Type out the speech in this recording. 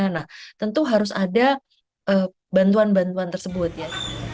nah tentu harus ada bantuan bantuan tersebut ya